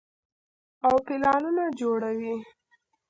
او پلانونه جوړوي -